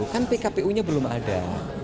tapi kpu nya belum ada